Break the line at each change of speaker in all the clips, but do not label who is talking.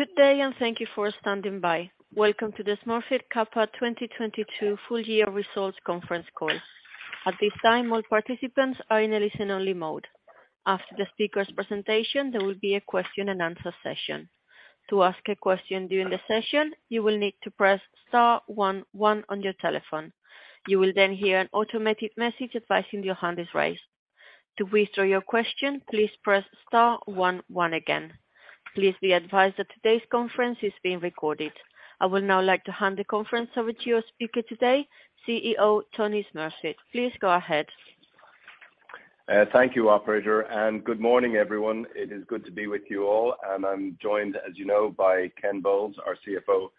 Good day, thank you for standing by. Welcome to the Smurfit Kappa 2022 full year results conference call. At this time, all participants are in a listen only mode. After the speaker's presentation, there will be a question and answer session. To ask a question during the session, you will need to press star 11 on your telephone. You will then hear an automated message advising your hand is raised. To withdraw your question, please press star 11 again. Please be advised that today's conference is being recorded. I would now like to hand the conference over to your speaker today, CEO Tony Smurfit. Please go ahead.
Thank you, operator, good morning, everyone. It is good to be with you all. I'm joined, as you know, by Ken Bowles, our CFO,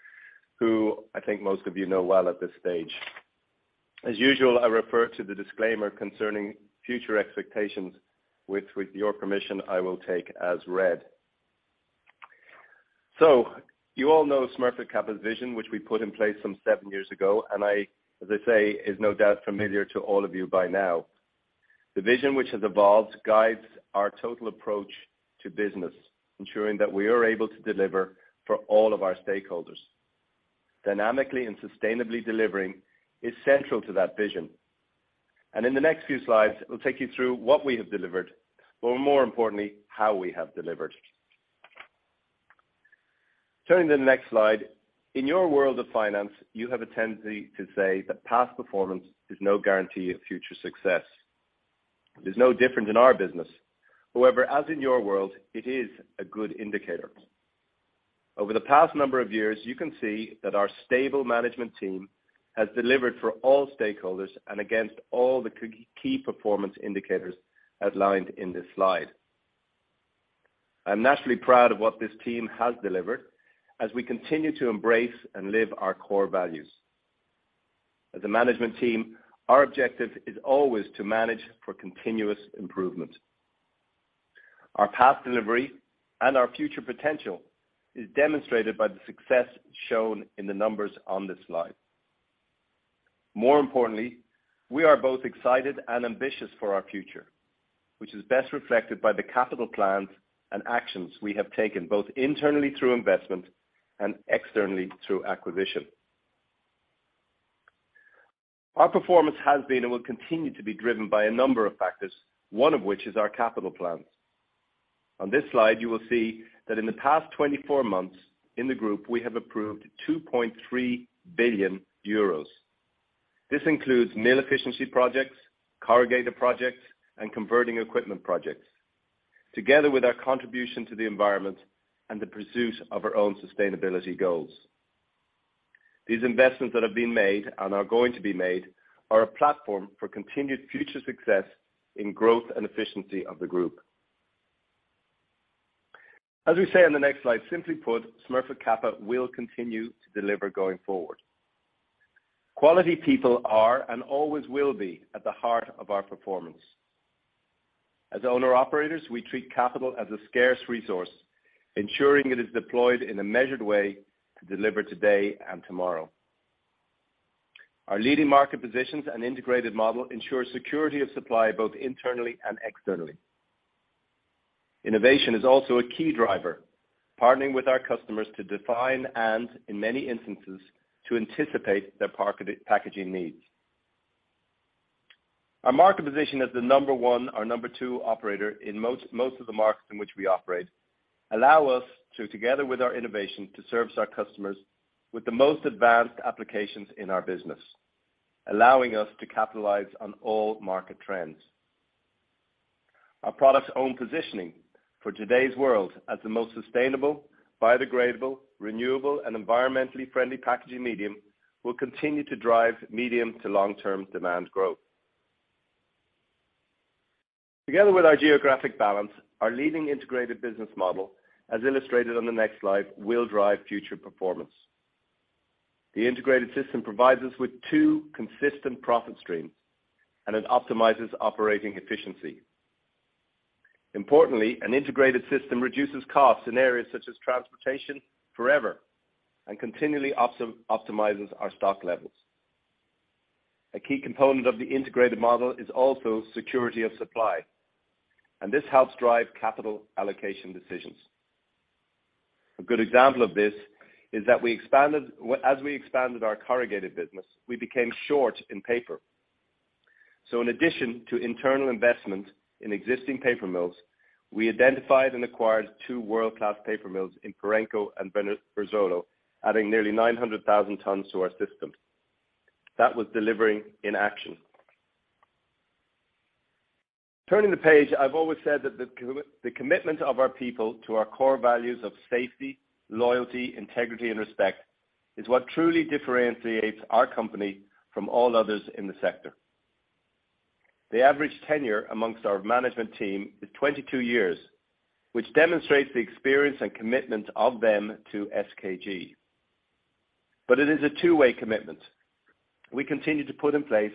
who I think most of you know well at this stage. As usual, I refer to the disclaimer concerning future expectations. Which, with your permission, I will take as read. You all know Smurfit Kappa's vision, which we put in place some seven years ago, and I, as I say, is no doubt familiar to all of you by now. The vision which has evolved guides our total approach to business, ensuring that we are able to deliver for all of our stakeholders. Dynamically and sustainably delivering is central to that vision. In the next few slides, we will take you through what we have delivered, but more importantly, how we have delivered. Turning to the next slide. In your world of finance, you have a tendency to say that past performance is no guarantee of future success. It is no different in our business. However, as in your world, it is a good indicator. Over the past number of years, you can see that our stable management team has delivered for all stakeholders and against all the key performance indicators outlined in this slide. I'm naturally proud of what this team has delivered as we continue to embrace and live our core values. As a management team, our objective is always to manage for continuous improvement. Our past delivery and our future potential is demonstrated by the success shown in the numbers on this slide. More importantly, we are both excited and ambitious for our future, which is best reflected by the capital plans and actions we have taken, both internally through investment and externally through acquisition. Our performance has been and will continue to be driven by a number of factors, one of which is our capital plans. On this slide, you will see that in the past 24 months in the group, we have approved 2.3 billion euros. This includes mill efficiency projects, corrugator projects, and converting equipment projects, together with our contribution to the environment and the pursuit of our own sustainability goals. These investments that have been made and are going to be made are a platform for continued future success in growth and efficiency of the group. As we say on the next slide, simply put, Smurfit Kappa will continue to deliver going forward. Quality people are and always will be at the heart of our performance. As owner operators, we treat capital as a scarce resource, ensuring it is deployed in a measured way to deliver today and tomorrow. Our leading market positions and integrated model ensure security of supply both internally and externally. Innovation is also a key driver, partnering with our customers to define and, in many instances, to anticipate their packaging needs. Our market position as the number one or number two operator in most of the markets in which we operate allow us to, together with our innovation, to service our customers with the most advanced applications in our business, allowing us to capitalize on all market trends. Our products own positioning for today's world as the most sustainable, biodegradable, renewable, and environmentally friendly packaging medium will continue to drive medium to long-term demand growth. Together with our geographic balance, our leading integrated business model, as illustrated on the next slide, will drive future performance. The integrated system provides us with two consistent profit streams, and it optimizes operating efficiency. Importantly, an integrated system reduces costs in areas such as transportation forever and continually optimizes our stock levels. A key component of the integrated model is also security of supply, and this helps drive capital allocation decisions. A good example of this is that as we expanded our corrugated business, we became short in paper. In addition to internal investment in existing paper mills, we identified and acquired two world-class paper mills in Reparenco and Verzuolo, adding nearly 900,000 tons to our system. That was delivering in action. Turning the page, I have always said that the commitment of our people to our core values of safety, loyalty, integrity, and respect is what truly differentiates our company from all others in the sector. The average tenure amongst our management team is 22 years, which demonstrates the experience and commitment of them to SKG. But it is a two-way commitment. We continue to put in place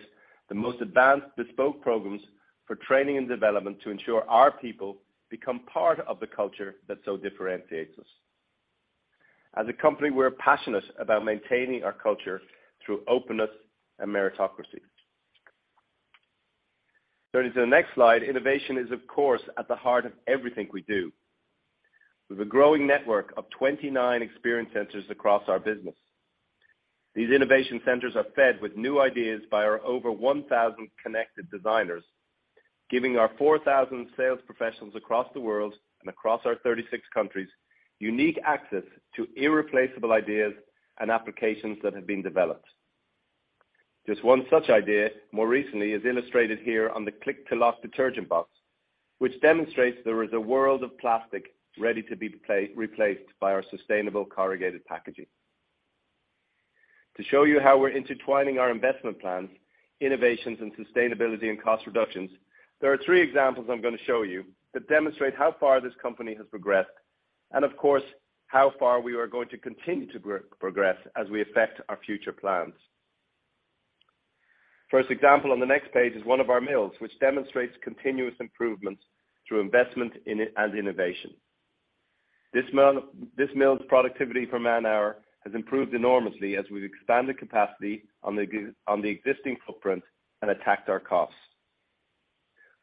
the most advanced bespoke programs for training and development to ensure our people become part of the culture that so differentiates us. As a company, we're passionate about maintaining our culture through openness and meritocracy. Turning to the next slide. Innovation is of course, at the heart of everything we do. With a growing network of 29 experience centers across our business. These innovation centers are fed with new ideas by our over 1,000 connected designers, giving our 4,000 sales professionals across the world and across our 36 countries, unique access to irreplaceable ideas and applications that have been developed. One such idea, more recently, is illustrated here on the Click-to-Lock detergent box, which demonstrates there is a world of plastic ready to be replaced by our sustainable corrugated packaging. To show you how we are intertwining our investment plans, innovations in sustainability and cost reductions, there are three examples I'm gonna show you that demonstrate how far this company has progressed and of course, how far we are going to continue to progress as we affect our future plans. First example on the next page is one of our mills, which demonstrates continuous improvements through investment in, and innovation. This mill's productivity per man hour has improved enormously as we've expanded capacity on the existing footprint and attacked our costs.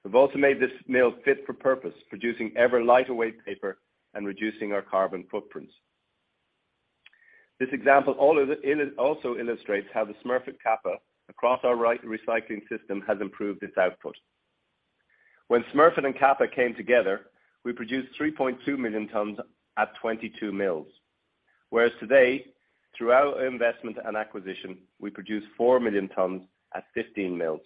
We have also made this mill fit for purpose, producing ever lighter weight paper and reducing our carbon footprints. This example also illustrates how the Smurfit Kappa across our recycling system has improved its output. When Smurfit and Kappa came together, we produced 3.2 million tons at 22 mills. Whereas today, through our investment and acquisition, we produce 4 million tons at 15 mills.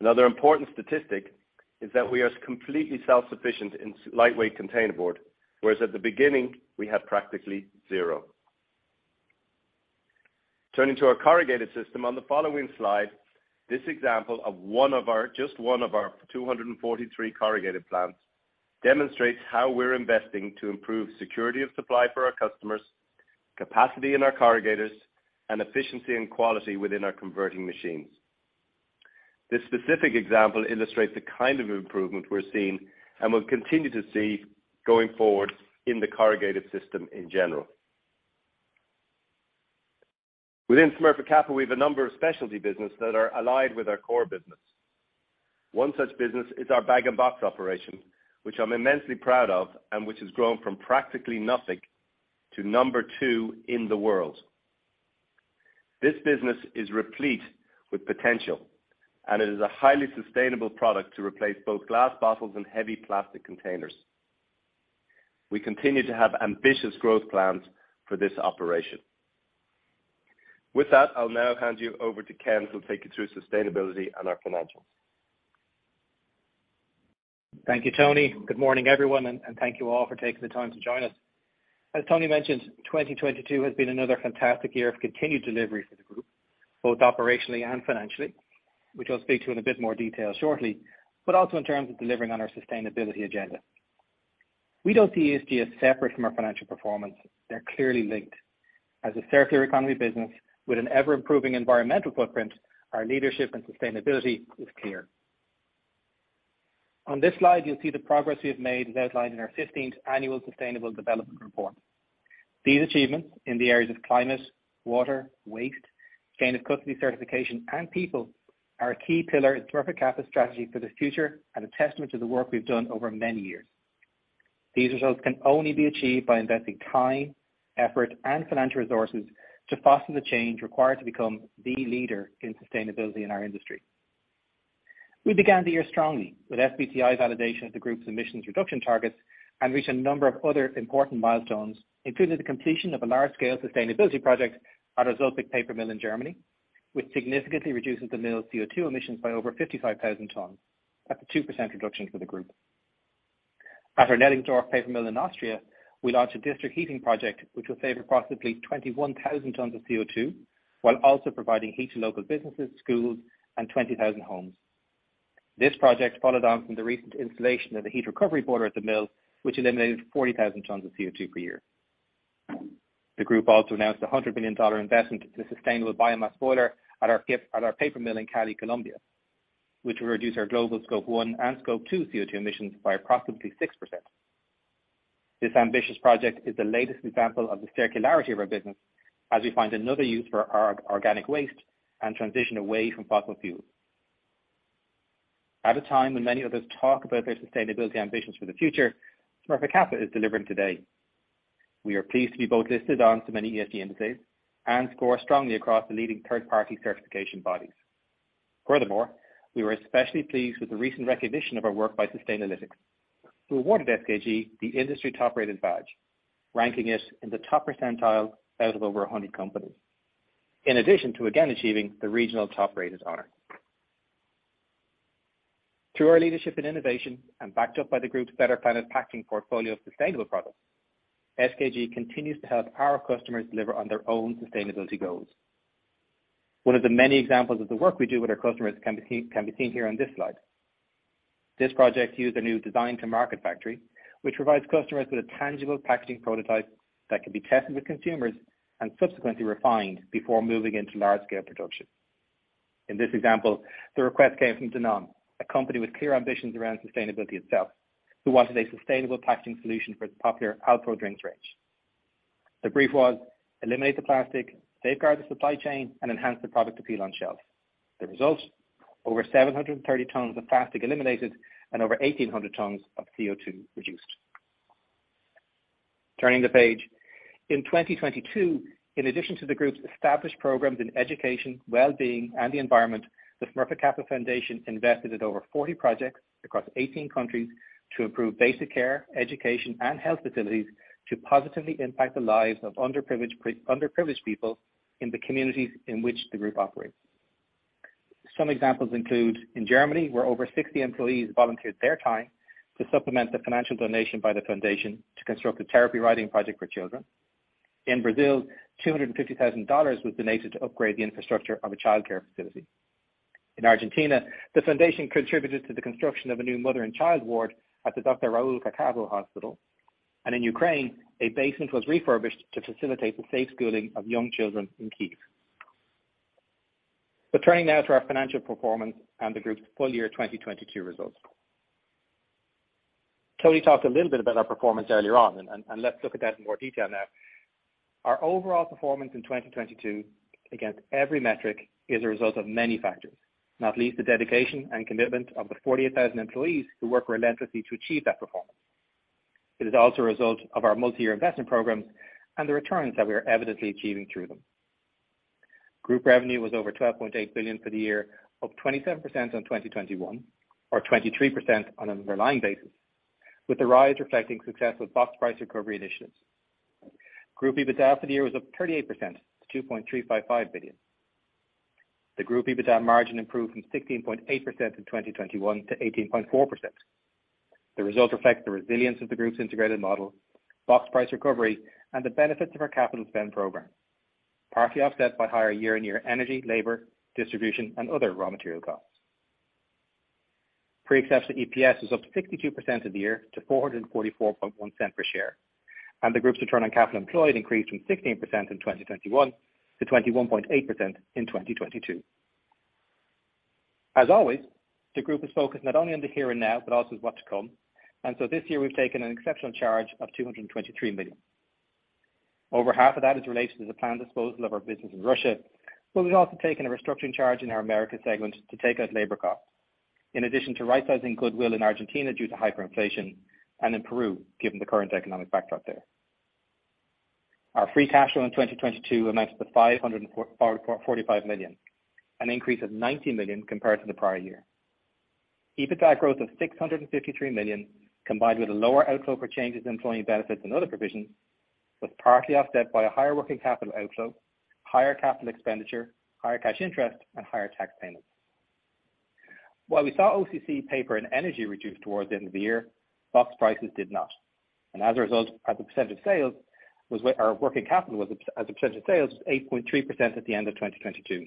Another important statistic is that we are completely self-sufficient in lightweight containerboard, whereas at the beginning we had practically zero. Turning to our corrugated system on the following slide, this example of just one of our 243 corrugated plants demonstrates how we are investing to improve security of supply for our customers, capacity in our corrugators, and efficiency and quality within our converting machines. This specific example illustrates the kind of improvement we are seeing and will continue to see going forward in the corrugated system in general. Within Smurfit Kappa, we've a number of specialty business that are allied with our core business. One such business is our Bag-in-Box operation, which I'm immensely proud of, and which has grown from practically nothing to number two in the world. This business is replete with potential, and it is a highly sustainable product to replace both glass bottles and heavy plastic containers. We continue to have ambitious growth plans for this operation. With that, I'll now hand you over to Ken, who will take you through sustainability and our financials.
Thank you, Tony. Good morning, everyone, thank you all for taking the time to join us. As Tony mentioned, 2022 has been another fantastic year of continued delivery for the group, both operationally and financially, which I'll speak to in a bit more detail shortly. Also in terms of delivering on our sustainability agenda. We don't see ESG as separate from our financial performance. They're clearly linked. As a circular economy business with an ever-improving environmental footprint, our leadership and sustainability is clear. On this slide, you will see the progress we have made as outlined in our 15th Annual Sustainable Development Report. These achievements in the areas of climate, water, waste, chain of custody certification, and people are a key pillar in Smurfit Kappa strategy for the future and a testament to the work we've done over many years. These results can only be achieved by investing time, effort, and financial resources to foster the change required to become the leader in sustainability in our industry. We began the year strongly with SBTI validation of the group's emissions reduction targets and reached a number of other important milestones, including the completion of a large-scale sustainability project at our Zülpich paper mill in Germany, which significantly reduces the mill's CO2 emissions by over 55,000 tons, at the 2% reduction for the group. At our Nettingsdorf paper mill in Austria, we launched a district heating project which will save approximately 21,000 tons of CO2 while also providing heat to local businesses, schools, and 20,000 homes. This project followed on from the recent installation of the heat recovery boiler at the mill, which eliminated 40,000 tons of CO2 per year. The group also announced a $100 million investment to sustainable biomass boiler at our paper mill in Cali, Colombia, which will reduce our global Scope 1 and Scope 2 CO2 emissions by approximately 6%. This ambitious project is the latest example of the circularity of our business as we find another use for our organic waste and transition away from fossil fuels. At a time when many of us talk about their sustainability ambitions for the future, Smurfit Kappa is delivering today. We are pleased to be both listed on so many ESG indices and score strongly across the leading third-party certification bodies. We were especially pleased with the recent recognition of our work by Sustainalytics, who awarded SKG the industry top-rated badge, ranking it in the top percentile out of over 100 companies, in addition to again achieving the regional top-rated honor. Through our leadership in innovation and backed up by the group's Better Planet Packaging portfolio of sustainable products, SKG continues to help our customers deliver on their own sustainability goals. One of the many examples of the work we do with our customers can be seen here on this slide. This project used a new Design2Market Factory, which provides customers with a tangible packaging prototype that can be tested with consumers and subsequently refined before moving into large-scale production. In this example, the request came from Danone, a company with clear ambitions around sustainability itself, who wanted a sustainable packaging solution for its popular Alpro drinks range. The brief was eliminate the plastic, safeguard the supply chain, and enhance the product appeal on shelf. The results, over 730 tons of plastic eliminated and over 1,800 tons of CO₂ reduced. Turning the page. In 2022, in addition to the group's established programs in education, well-being and the environment, the Smurfit Kappa Foundation invested in over 40 projects across 18 countries to improve basic care, education and health facilities to positively impact the lives of underprivileged people in the communities in which the group operates. Some examples include in Germany, where over 60 employees volunteered their time to supplement the financial donation by the foundation to construct a therapy riding project for children. In Brazil, $250,000 was donated to upgrade the infrastructure of a childcare facility. In Argentina, the foundation contributed to the construction of a new mother and child ward at the Dr. Raúl Caccavo Hospital. In Ukraine, a basement was refurbished to facilitate the safe schooling of young children in Kiev. Turning now to our financial performance and the group's full year 2022 results. Tony talked a little bit about our performance earlier on, and let's look at that in more detail now. Our overall performance in 2022 against every metric is a result of many factors, not least the dedication and commitment of the 48,000 employees who work relentlessly to achieve that performance. It is also a result of our multi-year investment programs and the returns that we are evidently achieving through them. Group revenue was over 12.8 billion for the year, up 27% on 2021, or 23% on an underlying basis, with the rise reflecting success with box price recovery initiatives. Group EBITDA for the year was up 38% to 2.355 billion. The group EBITDA margin improved from 16.8% in 2021 to 18.4%. The result reflects the resilience of the group's integrated model, box price recovery, and the benefits of our capital spend program, partly offset by higher year-over-year energy, labor, distribution, and other raw material costs. Pre-exceptional EPS was up 62% of the year to 4.441 per share, and the group's Return on Capital Employed increased from 16% in 2021 to 21.8% in 2022. As always, the group is focused not only on the here and now, but also what's to come. This year we have taken an exceptional charge of 223 million. Over half of that is related to the planned disposal of our business in Russia. We have also taken a restructuring charge in our Americas segment to take out labor costs, in addition to rightsizing goodwill in Argentina due to hyperinflation and in Peru, given the current economic backdrop there. Our free cash flow in 2022 amounts to 544 million, an increase of 90 million compared to the prior year. EBITDA growth of 653 million, combined with a lower outflow for changes in employee benefits and other provisions, was partly offset by a higher working capital outflow, higher capital expenditure, higher cash interest, and higher tax payments. While we saw OCC paper and energy reduce towards the end of the year, box prices did not. As a result, as a percent of sales was where our working capital was as a percent of sales, 8.3% at the end of 2022,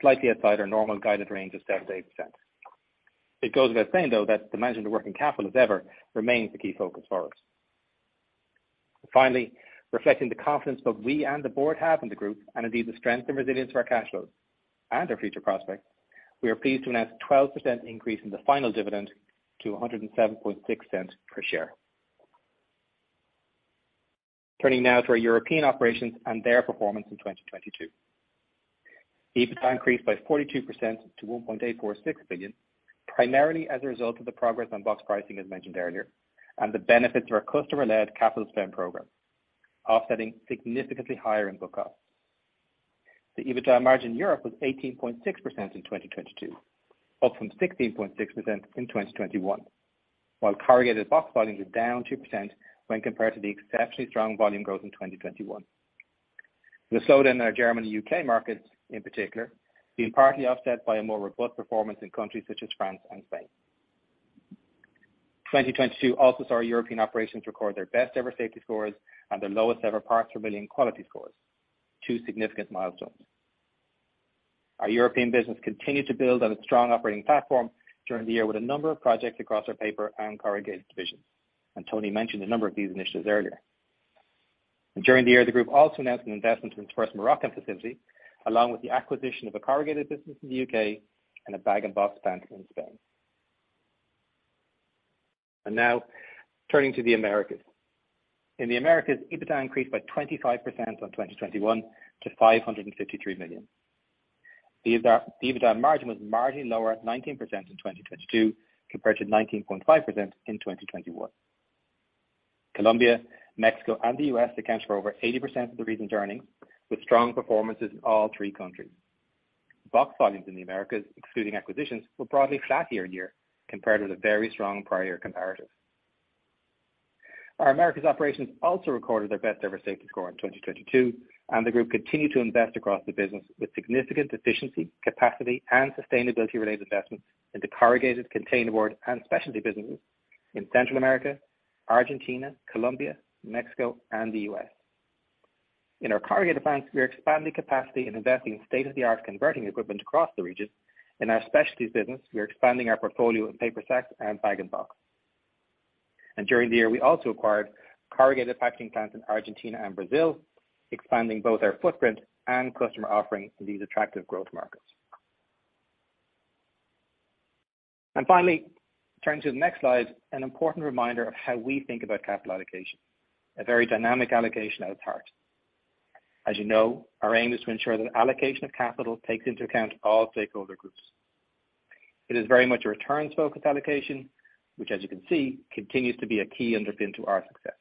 slightly outside our normal guided range of 7%-8%. It goes without saying, though, that the management of working capital, as ever, remains the key focus for us. Finally, reflecting the confidence both we and the board have in the group and indeed the strength and resilience of our cash flows and our future prospects, we are pleased to announce a 12% increase in the final dividend to 107.6 per share. Turning now to our European operations and their performance in 2022. EBITDA increased by 42% to 1.846 billion, primarily as a result of the progress on box pricing, as mentioned earlier, and the benefits of our customer-led capital spend program, offsetting significantly higher input costs. The EBITDA margin in Europe was 18.6% in 2022, up from 16.6% in 2021. Corrugated box volumes were down 2% when compared to the exceptionally strong volume growth in 2021. The slowdown in our Germany, UK markets in particular, being partly offset by a more robust performance in countries such as France and Spain. 2022 also saw our European operations record their best ever safety scores and their lowest ever parts per million quality scores, two significant milestones. Our European business continued to build on a strong operating platform during the year with a number of projects across our paper and corrugated divisions. Tony mentioned a number of these initiatives earlier. During the year, the group also announced an investment into its first Moroccan facility, along with the acquisition of a corrugated business in the U.K. and a Bag-in-Box pant in Spain. And now turning to the Americas. In the Americas, EBITDA increased by 25% on 2021 to 553 million. The EBITDA margin was marginally lower at 19% in 2022 compared to 19.5% in 2021. Colombia, Mexico, and the U.S. account for over 80% of the region's earnings, with strong performances in all three countries. Box volumes in the Americas, excluding acquisitions, were broadly flat year and year compared with a very strong prior year comparative. The group continued to invest across the business with significant efficiency, capacity, and sustainability related investments into corrugated containerboard and specialty businesses in Central America, Argentina, Colombia, Mexico, and the U.S. Our Americas operations also recorded their best ever safety score in 2022. In our corrugated plants, we are expanding capacity and investing in state-of-the-art converting equipment across the region. In our specialties business, we are expanding our portfolio in paper sacks and Bag-in-Box. During the year, we also acquired corrugated packaging plants in Argentina and Brazil, expanding both our footprint and customer offering in these attractive growth markets. Finally, turning to the next slide, an important reminder of how we think about capital allocation, a very dynamic allocation at its heart. As you know, our aim is to ensure that allocation of capital takes into account all stakeholder groups. It is very much a returns-focused allocation, which as you can see, continues to be a key underpin to our success.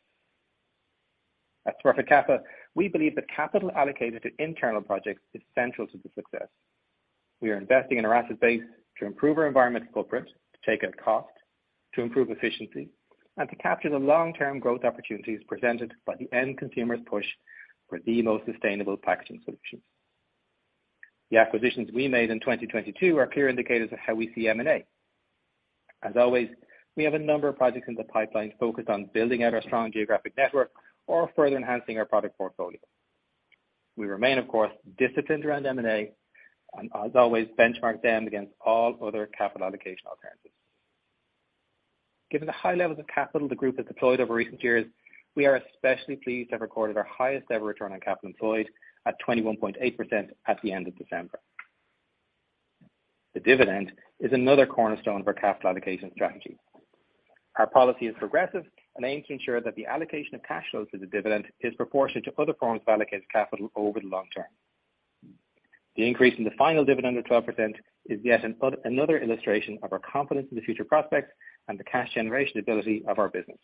At Smurfit Kappa, we believe that capital allocated to internal projects is central to the success. We are investing in our asset base to improve our environmental footprint, to take out cost, to improve efficiency, and to capture the long-term growth opportunities presented by the end consumers' push for the most sustainable packaging solutions. The acquisitions we made in 2022 are clear indicators of how we see M&A. As always, we have a number of projects in the pipeline focused on building out our strong geographic network or further enhancing our product portfolio. We remain, of course, disciplined around M&A and as always, benchmark them against all other capital allocation alternatives. Given the high levels of capital the group has deployed over recent years, we are especially pleased to have recorded our highest ever return on capital employed at 21.8% at the end of December. The dividend is another cornerstone for capital allocation strategy. Our policy is progressive and aims to ensure that the allocation of cash flows to the dividend is proportionate to other forms of allocated capital over the long term. The increase in the final dividend of 12% is yet another illustration of our confidence in the future prospects and the cash generation ability of our business.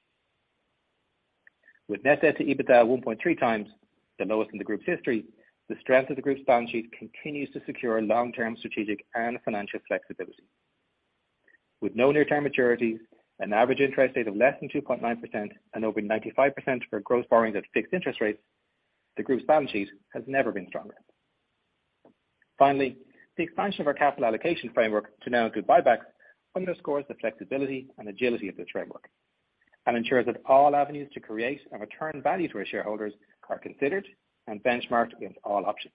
With net debt to EBITDA 1.3 times, the lowest in the group's history, the strength of the group's balance sheet continues to secure long-term strategic and financial flexibility. With no near-term maturities, an average interest rate of less than 2.9% and over 95% for gross borrowings at fixed interest rates, the group's balance sheet has never been stronger. The expansion of our capital allocation framework to now include buybacks underscores the flexibility and agility of the framework, and ensures that all avenues to create and return value to our shareholders are considered and benchmarked against all options.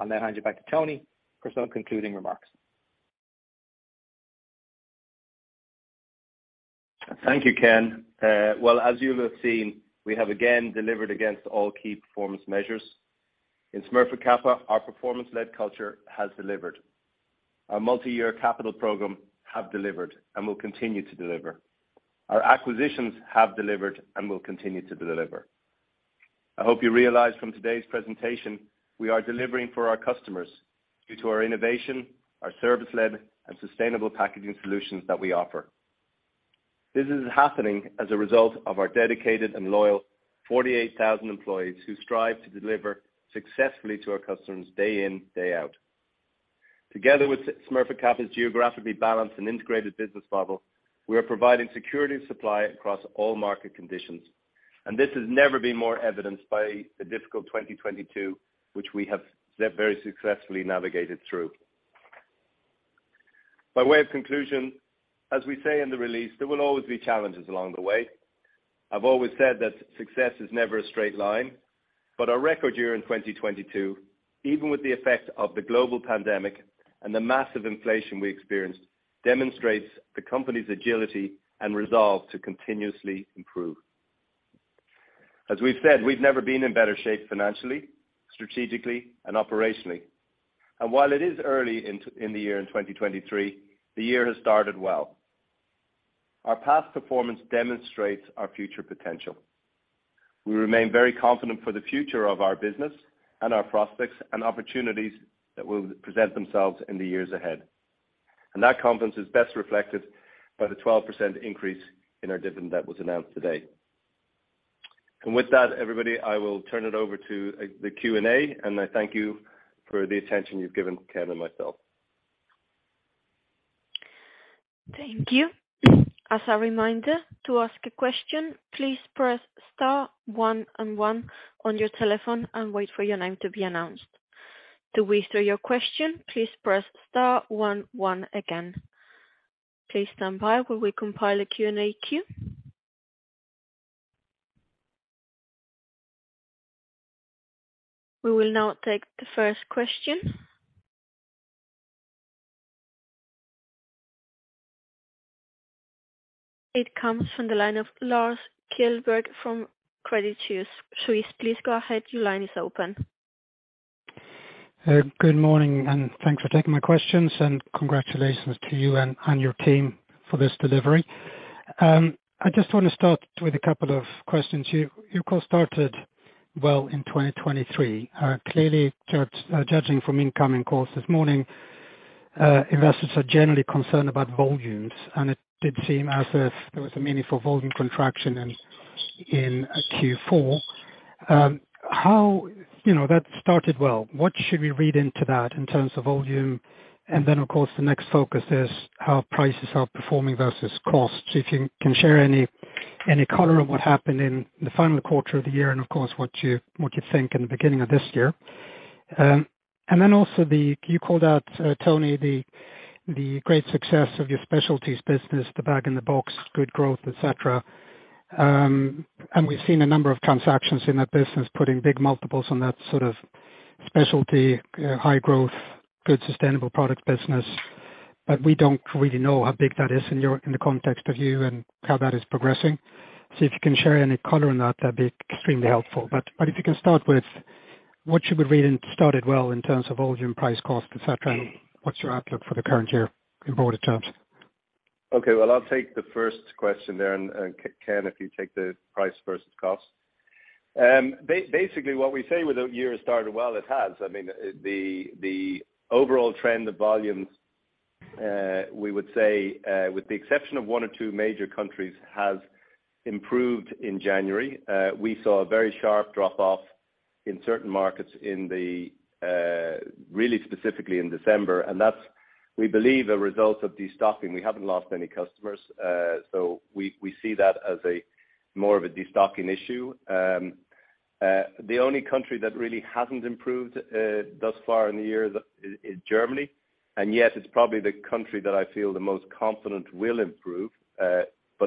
I'll now hand you back to Tony for some concluding remarks.
Thank you, Ken. Well, as you have seen, we have again delivered against all key performance measures. In Smurfit Kappa, our performance-led culture has delivered. Our multi-year capital program have delivered and will continue to deliver. Our acquisitions have delivered and will continue to deliver. I hope you realize from today's presentation, we are delivering for our customers due to our innovation, our service-led and sustainable packaging solutions that we offer. This is happening as a result of our dedicated and loyal 48,000 employees who strive to deliver successfully to our customers day in, day out. Together with Smurfit Kappa's geographically balanced and integrated business model, we are providing security of supply across all market conditions, and this has never been more evidenced by the difficult 2022, which we have very successfully navigated through. By way of conclusion, as we say in the release, there will always be challenges along the way. I have always said that success is never a straight line, but our record year in 2022, even with the effects of the global pandemic and the massive inflation we experienced, demonstrates the company's agility and resolve to continuously improve. As we have said, we've never been in better shape financially, strategically and operationally. While it is early in the year in 2023, the year has started well. Our past performance demonstrates our future potential. We remain very confident for the future of our business and our prospects and opportunities that will present themselves in the years ahead. That confidence is best reflected by the 12% increase in our dividend that was announced today. With that, everybody, I will turn it over to the Q&A, and I thank you for the attention you have given Ken and myself.
Thank you. As a reminder to ask a question, please press star one and one on your telephone and wait for your name to be announced. To withdraw your question, please press star one one again. Please stand by while we compile a Q&A queue. We will now take the first question. It comes from the line of Lars Kjellberg from Credit Suisse. Please go ahead. Your line is open.
Good morning, and thanks for taking my questions, and congratulations to you and your team for this delivery. I just want to start with a couple of questions. You got started well in 2023. Clearly judging from incoming calls this morning, investors are generally concerned about volumes, and it did seem as if there was a meaningful volume contraction in Q4. How... You know, that started well. What should we read into that in terms of volume? Then, of course, the next focus is how prices are performing versus costs. If you can share any color on what happened in the final quarter of the year and of course, what you think in the beginning of this year. Then also you called out, Tony, the great success of your specialties business, the Bag-in-Box, good growth, et cetera. We've seen a number of transactions in that business, putting big multiples on that sort of specialty, high growth, good sustainable product business. We don't really know how big that is in the context of you and how that is progressing. If you can share any color on that'd be extremely helpful. If you can start with What should we read in started well in terms of volume, price, cost, et cetera? What's your outlook for the current year in broader terms?
Okay, well, I'll take the first question there, Ken, if you take the price versus cost. Basically, what we say with the year started well, it has. I mean, the overall trend of volumes, we would say, with the exception of 1 or 2 major countries, has improved in January. We saw a very sharp drop off in certain markets in the, really specifically in December, that's, we believe, a result of destocking. We haven't lost any customers. We see that as a more of a destocking issue. The only country that really hasn't improved, thus far in the year is Germany, yet it's probably the country that I feel the most confident will improve.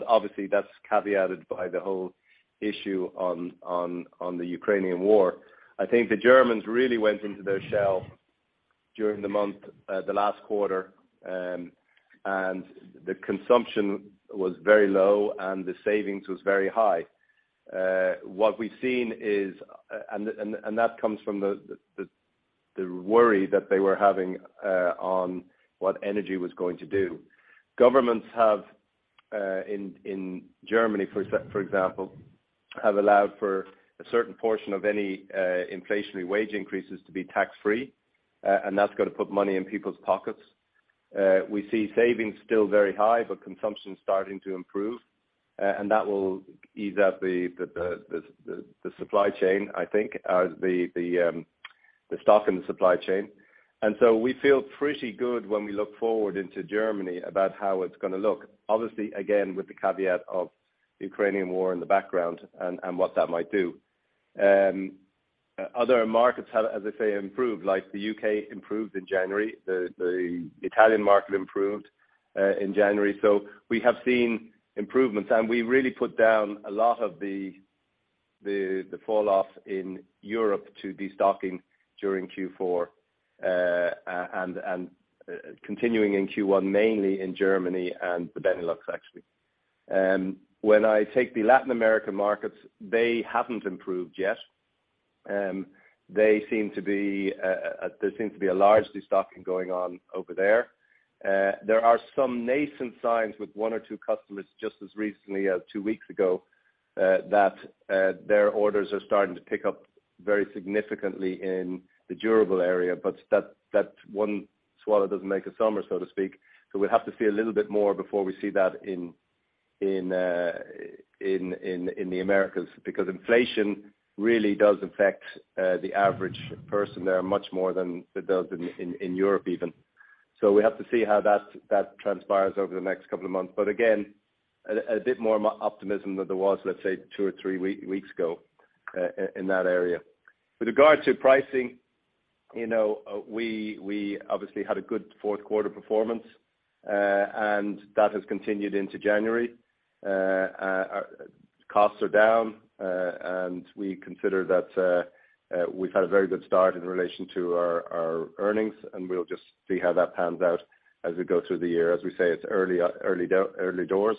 Obviously that's caveated by the whole issue on, on the Ukrainian war. I think the Germans really went into their shell during the month, the last quarter, and the consumption was very low, and the savings was very high. What we've seen is, and that comes from the worry that they were having on what energy was going to do. Governments have in Germany for example, have allowed for a certain portion of any inflationary wage increases to be tax-free, and that's gotta put money in people's pockets. We see savings still very high, but consumption starting to improve, and that will ease up the supply chain, I think as the stock in the supply chain. We feel pretty good when we look forward into Germany about how it's gonna look. Obviously, again, with the caveat of the Ukrainian War in the background and what that might do. Other markets have, as I say, improved, like the UK improved in January. The Italian market improved in January. We have seen improvements, and we really put down a lot of the falloff in Europe to destocking during Q4 and continuing in Q1, mainly in Germany and the Benelux actually. When I take the Latin America markets, they haven't improved yet. They seem to be, there seems to be a large destocking going on over there. There are some nascent signs with 1 or 2 customers just as recently as 2 weeks ago that their orders are starting to pick up very significantly in the durable area, but that one swallow doesn't make a summer, so to speak. We'll have to see a little bit more before we see that in the Americas because inflation really does affect the average person there much more than it does in Europe even. So we have to see how that transpires over the next couple of months. Again, a bit more optimism than there was, let's say, 2 or 3 weeks ago in that area. With regard to pricing, you know, we obviously had a good fourth quarter performance, and that has continued into January. Our costs are down, we consider that we've had a very good start in relation to our earnings, and we'll just see how that pans out as we go through the year. It's early doors,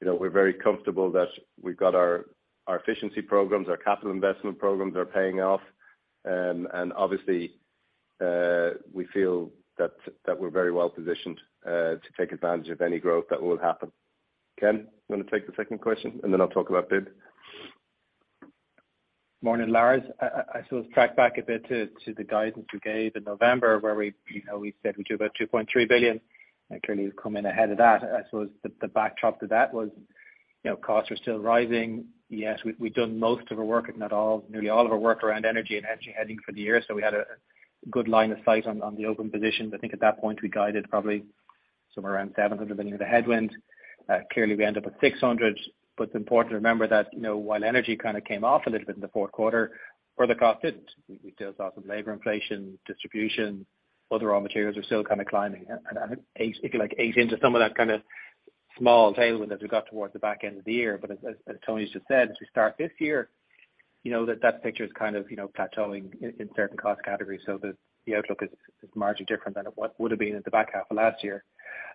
you know, we're very comfortable that we've got our efficiency programs, our capital investment programs are paying off, and obviously, we feel that we're very well positioned to take advantage of any growth that will happen. Ken, do you wanna take the second question, and then I'll talk about bid.
Morning, Lars. I sort of track back a bit to the guidance you gave in November where we, you know, we said we'd do about 2.3 billion, Clearly you've come in ahead of that. I suppose the backdrop to that was, you know, costs are still rising. Yes, we done most of our work, if not all, nearly all of our work around energy and energy hedging for the year, so we had a good line of sight on the open positions. I think at that point, we guided probably somewhere around 700 million of the headwind. Clearly we end up at 600 million, It's important to remember that, you know, while energy kind of came off a little bit in the fourth quarter, further costs didn't. We still saw some labor inflation, distribution, other raw materials are still kind of climbing. I think eight, if you like, eight into some of that kind of small tailwind as we got towards the back end of the year. As Tony's just said, as we start this year, you know, that picture is kind of, you know, plateauing in certain cost categories. The outlook is largely different than it would have been in the back half of last year.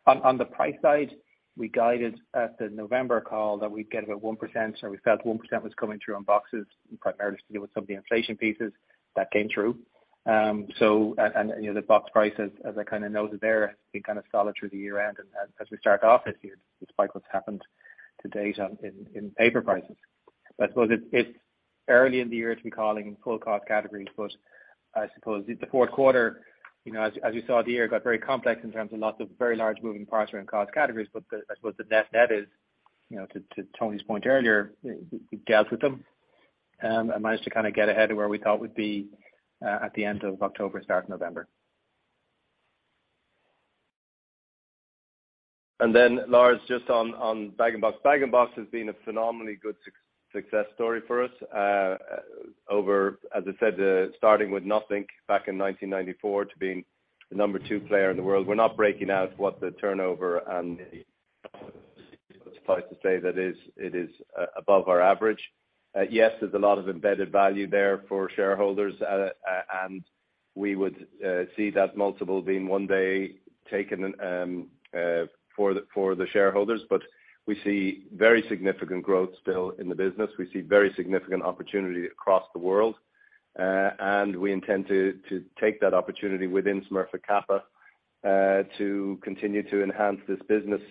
On the price side, we guided at the November call that we'd get about 1%, so we felt 1% was coming through on boxes, primarily to do with some of the inflation pieces that came through. You know, the box price as I kind of noted there, been kind of solid through the year end and as we start off this year, despite what's happened to date on in paper prices. I suppose it's early in the year to be calling full cost categories, but I suppose the fourth quarter, you know, as you saw, the year got very complex in terms of lots of very large moving parts around cost categories. I suppose the net net is, you know, to Tony's point earlier, we dealt with them and managed to kind of get ahead of where we thought we'd be at the end of October, start of November.
Lars, just on Bag-in-Box. Bag-in-Box has been a phenomenally good success story for us, over, as I said, starting with nothing back in 1994 to being the number 2 player in the world. We're not breaking out what the turnover and the suffice to say that is, it is above our average. Yes, there's a lot of embedded value there for shareholders, and We would see that multiple being one day taken for the shareholders. We see very significant growth still in the business. We see very significant opportunity across the world. We intend to take that opportunity within Smurfit Kappa to continue to enhance this business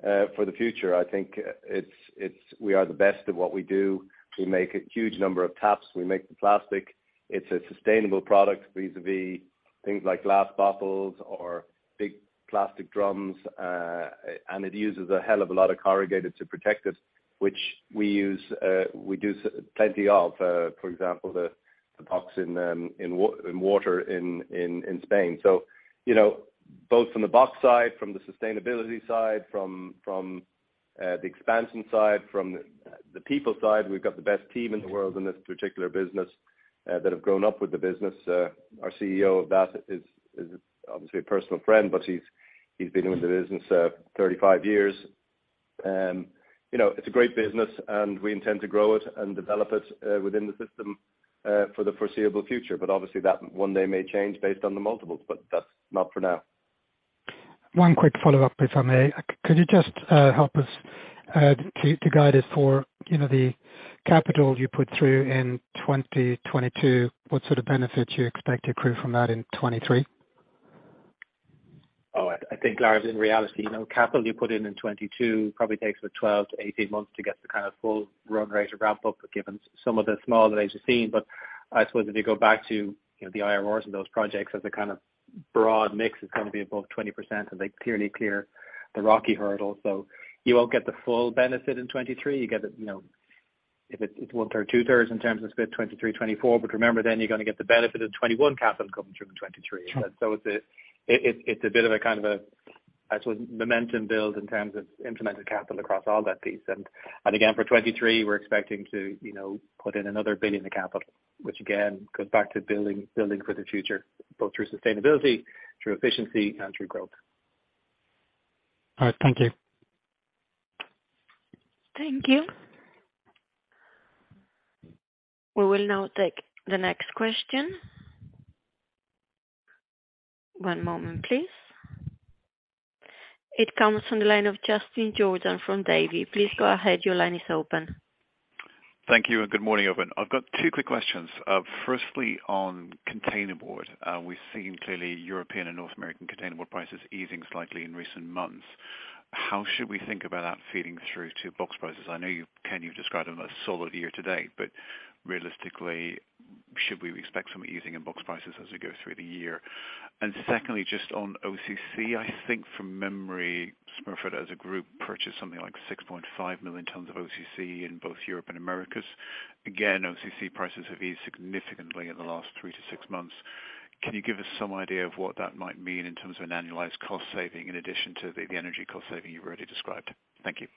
for the future. I think it's, we are the best at what we do. We make a huge number of taps. We make the plastic. It's a sustainable product vis-a-vis things like glass bottles or big plastic drums. It uses a hell of a lot of corrugated to protect it, which we use, we use plenty of, for example, the box in water in Spain. You know, both from the box side, from the sustainability side, from the expansion side, from the people side, we have got the best team in the world in this particular business, that have grown up with the business. Our CEO of that is obviously a personal friend, but he's been with the business, 35 years. You know, it's a great business and we intend to grow it and develop it, within the system, for the foreseeable future. Obviously that one day may change based on the multiples, but that's not for now.
One quick follow-up, please, if I may. Could you just help us to guide us for, you know, the capital you put through in 2022, what sort of benefits you expect to accrue from that in 23?
Oh, I think, Lars, in reality, you know, capital you put in in 2022 probably takes about 12-18 months to get the kind of full run rate or ramp-up, given some of the smaller they've seen. I suppose if you go back to, you know, the IRRs of those projects as a kind of broad mix, it's gonna be above 20%, and they clearly clear the ROCE hurdle. You won't get the full benefit in 2023. You get it, you know, if it's one third, two thirds in terms of the split, 2023, 2024. Remember then you're gonna get the benefit of 2021 capital coming through in 2023. It's a bit of a kind of a, I suppose, momentum build in terms of implemented capital across all that piece. Again, for 2023, we're expecting to, you know, put in another 1 billion of capital, which again goes back to building for the future, both through sustainability, through efficiency and through growth.
All right. Thank you.
Thank you. We will now take the next question. One moment please. It comes from the line of Justin Jordan from Davy. Please go ahead. Your line is open.
Thank you. Good morning, everyone. I've got two quick questions. Firstly, on containerboard. We've seen clearly European and North American containerboard prices easing slightly in recent months. How should we think about that feeding through to box prices? I know Ken, you have described them a solid year today, but realistically, should we expect some easing in box prices as we go through the year? Secondly, just on OCC, I think from memory, Smurfit as a group purchased something like 6.5 million tons of OCC in both Europe and Americas. Again, OCC prices have eased significantly in the last three to six months. Can you give us some idea of what that might mean in terms of an annualized cost saving, in addition to the energy cost saving you have already described? Thank you.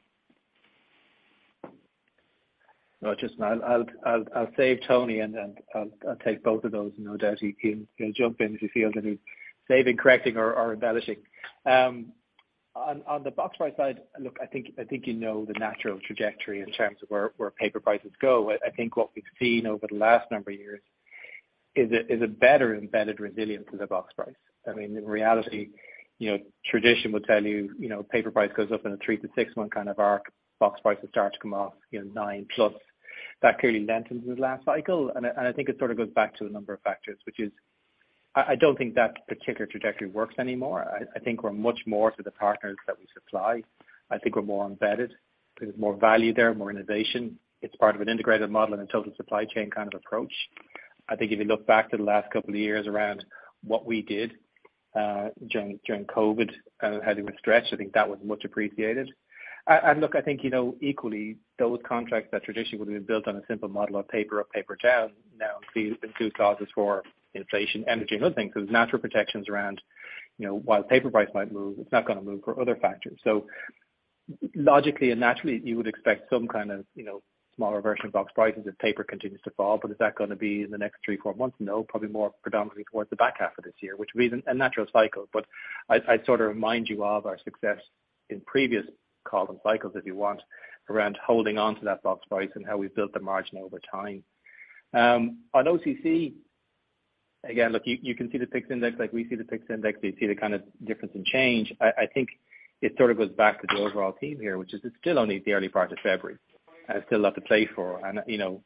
No, Justin, I'll save Tony, and I'll take both of those. No doubt he'll jump in if you feel the need, save and correcting or embellishing. On the box price side, look, I think you know the natural trajectory in terms of where paper prices go. I think what we've seen over the last number of years is a better embedded resilience in the box price. I mean, in reality, you know, tradition would tell you know, paper price goes up in a 3 to 6-month kind of arc. Box prices start to come off, you know, 9 plus. That clearly lenten to the last cycle. I think it sort of goes back to a number of factors, which is I don't think that particular trajectory works anymore. I think we are much more to the partners that we supply. I think we're more embedded. There's more value there, more innovation. It's part of an integrated model and a total supply chain kind of approach. I think if you look back to the last couple of years around what we did during COVID, how do we stretch, I think that was much appreciated. Look, I think, you know, equally, those contracts that traditionally would have been built on a simple model of paper down now include clauses for inflation, energy and other things. There's natural protections around, you know, while paper price might move, it's not gonna move for other factors. Logically and naturally, you would expect some kind of, you know, smaller version of box prices if paper continues to fall. Is that gonna be in the next three, four months? No, probably more predominantly towards the back half of this year, which will be a natural cycle. I'd sort of remind you of our success in previous call and cycles, if you want, around holding on to that box price and how we've built the margin over time. On OCC, again, look, you can see the PIX index like we see the PIX index. You see the kind of difference in change. I think it sort of goes back to the overall theme here, which is it's still only the early part of February. I have still a lot to play for. You know,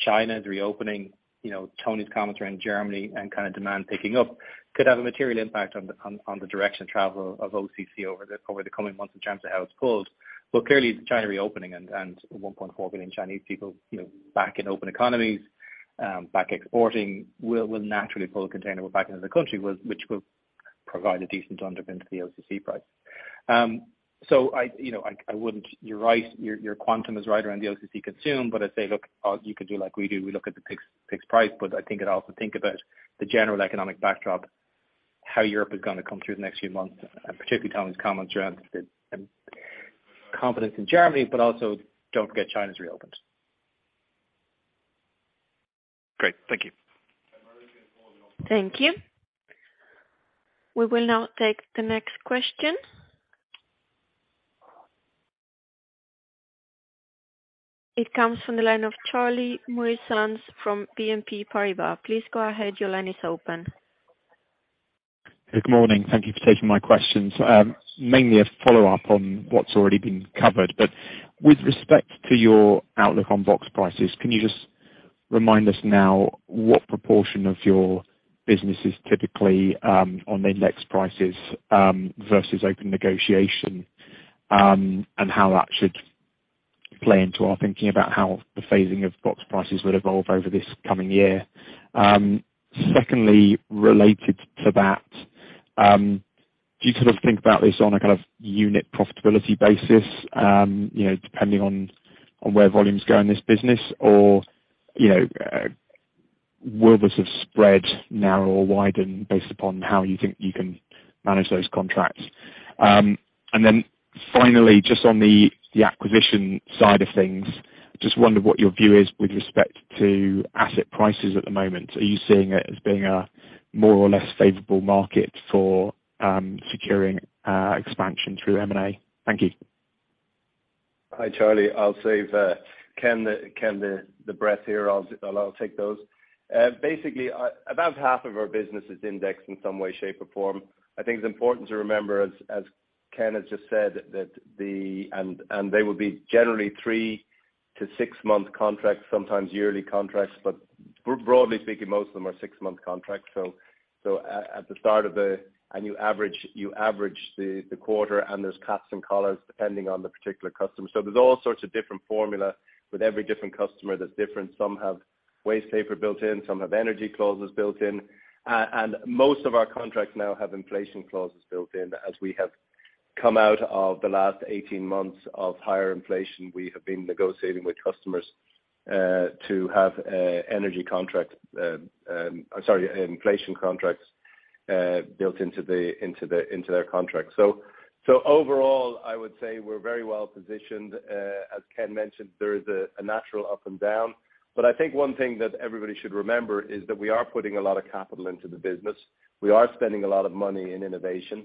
China's reopening. You know, Tony's commentary in Germany and kind of demand picking up could have a material impact on the direction of travel of OCC over the coming months in terms of how it's pulled. Clearly, the China reopening and 1.4 billion Chinese people, you know, back in open economies, back exporting will naturally pull the container back into the country, which will provide a decent underpin to the OCC price. I, you know, I wouldn't. You're right. Your quantum is right around the OCC consume. I'd say, look, you could do like we do. We look at the PIX price, but I think I'd also think about the general economic backdrop, how Europe is going to come through the next few months, and particularly Tony's comments around the confidence in Germany, but also do not forget China's reopened.
Great. Thank you.
Thank you. We will now take the next question. It comes from the line of Charlie Muir-Sands from BNP Paribas. Please go ahead. Your line is open.
Good morning. Thank you for taking my questions. Mainly a follow-up on what's already been covered. With respect to your outlook on box prices, can you just remind us now what proportion of your business is typically, on index prices, versus open negotiation, and how that should play into our thinking about how the phasing of box prices would evolve over this coming year? Secondly, related to that, do you sort of think about this on a kind of unit profitability basis, you know, depending on where volumes go in this business or, you know, will the sort of spread narrow or widen based upon how you think you can manage those contracts? Finally, just on the acquisition side of things, just wondered what your view is with respect to asset prices at the moment. Are you seeing it as being a more or less favorable market for securing expansion through M&A? Thank you.
Hi, Charlie. I'll save Ken the breath here. I'll take those. Basically about half of our business is indexed in some way, shape, or form. I think it's important to remember as Ken has just said, that the. They will be generally 3 to 6-month contracts, sometimes yearly contracts, but we're broadly speaking, most of them are 6-month contracts. At the start of the. You average the quarter and there's caps and collars depending on the particular customer. There's all sorts of different formula with every different customer that's different. Some have wastepaper built in, some have energy clauses built in. Most of our contracts now have inflation clauses built in. As we have come out of the last 18 months of higher inflation, we have been negotiating with customers to have inflation contracts built into their contract. So overall, I would say we're very well positioned. As Ken mentioned, there is a natural up and down. I think one thing that everybody should remember is that we are putting a lot of capital into the business. We are spending a lot of money in innovation.